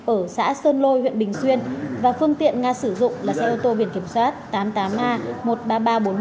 ở xã sơn lôi huyện bình xuyên và phương tiện nga sử dụng là xe ô tô biển kiểm soát tám mươi tám a một mươi ba nghìn ba trăm bốn mươi một